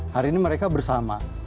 hari ini mereka bersama